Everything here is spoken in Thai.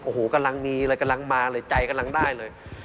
โอ้โหกำลังมีเลยกำลังมาเลยใจกำลังได้เลย